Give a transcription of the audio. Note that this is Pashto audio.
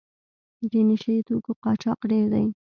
د نشه یي توکو قاچاق ډېر دی.